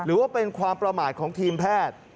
หรือว่าเป็นความประมาทของทีมแพทย์